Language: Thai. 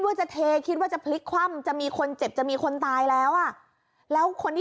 เบื่อไปนิดเดียวเอง